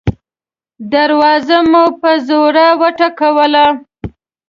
دروازه مو په زوره وټکوله.